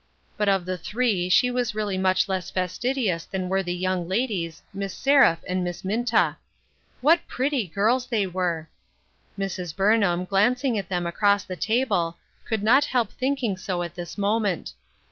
But of the three she was really much less fastidious than were the young ladies, Miss Seraph and Miss Minta. What pretty girls they were ! Mrs. Burnham, glancing at them across the table, could not help thinking so at this moment.